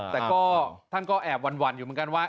แต่ก็ท่านก็แอบหวั่นอยู่เหมือนกันว่า